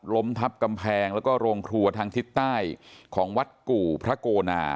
ล้มทับกำแพงแล้วก็โรงครัวทางทิศใต้ของวัดกู่พระโกนา